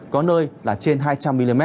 có nơi là trên hai trăm linh mm